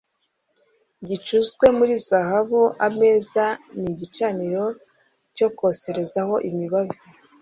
gicuzwe muri zahabu ameza n igicaniro cyo koserezaho imibavu